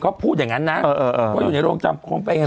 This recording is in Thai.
เขาพูดอย่างงั้นนะว่าอยู่ในเรืองจำคองเปรียมอะไร